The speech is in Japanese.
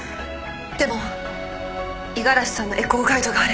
でも五十嵐さんのエコーガイドがあれば。